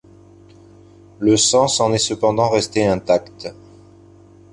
Le sens en est cependant resté intact.